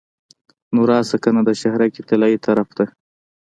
نو راشه کنه د شهرک طلایې طرف ته.